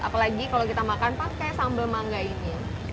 apalagi kalau kita makan pakai sambal mangga ini